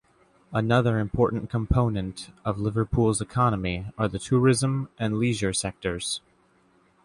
Another important component of Liverpool's economy are the tourism and leisure sectors.